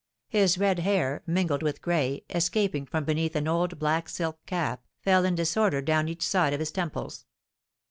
His red hair, mingled with gray, escaping from beneath an old black silk cap, fell in disorder down each side of his temples.